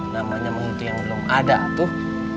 namanya menghitung yang belum ada tuh